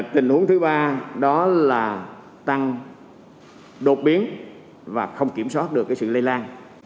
tình huống thứ ba đó là tăng đột biến và không kiểm soát được sự lây lan